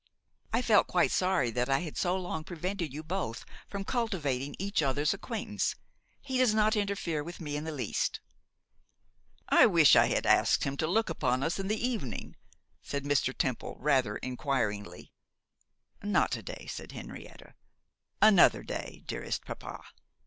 I felt quite sorry that I had so long prevented you both from cultivating each other's acquaintance. He does not interfere with me in the least.' 'I wish I had asked him to look in upon us in the evening,' said Mr. Temple, rather enquiringly. 'Not to day,' said Henrietta. 'Another day, dearest papa.